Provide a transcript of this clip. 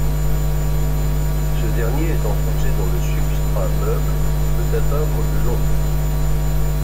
Ce dernier est enfoncé dans le substrat meuble, il peut atteindre de long.